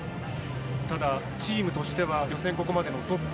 ただ、チームとしては予選、ここまでのトップ。